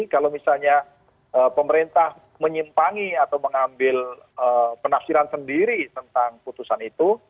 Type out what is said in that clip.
kalau misalnya pemerintah menyimpangi atau mengambil penafsiran sendiri tentang putusan itu